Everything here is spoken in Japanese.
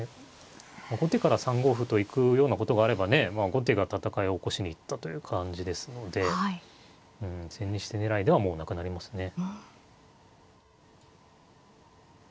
後手から３五歩と行くようなことがあればね後手が戦いを起こしに行ったという感じですので千日手狙いではもうなくなりますね。